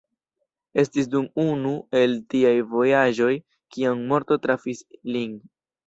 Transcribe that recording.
Estis dum unu el tiaj vojaĝoj kiam morto trafis lin.